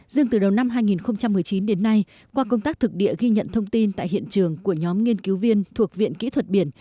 dương từ đầu năm hai nghìn một mươi chín đến nay qua công tác thực địa ghi nhận thông tin tại hiện trường của nhóm nghiên cứu viên thuộc viện kỹ thuật biển